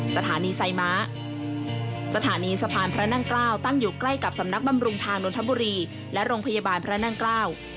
สถานีไซม้าสถานีสะพานพระนั่งเกล้าตั้งอยู่ใกล้กับสำนักบำรุงทางนนทบุรีและโรงพยาบาลพระนั่งเกล้า